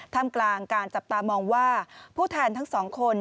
ทำกลางการจับตามองว่าผู้แทนทั้งสองคน